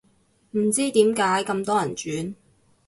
唔知點解咁多人轉